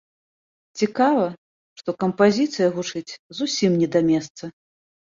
Цікава, што кампазіцыя гучыць зусім не да месца.